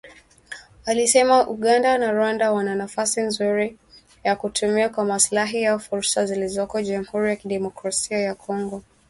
Alisema Uganda na Rwanda wana nafasi nzuri ya kutumia kwa maslahi yao fursa zilizoko Jamhuri ya kidemokrasia ya Kongo.